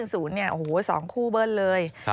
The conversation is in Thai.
ศูนย์๑๐เนี่ยโอ้โหสองคู่เบิ้ลเลย